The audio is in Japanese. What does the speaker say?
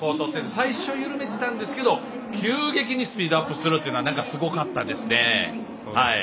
最初、緩めていたんですが急激にスピードアップするのはすごかったですね。